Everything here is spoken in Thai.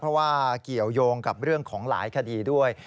เพราะว่าเกี่ยวยงกับเรื่องของหลายคดีด้วย